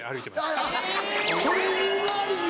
あっトレーニング代わりに。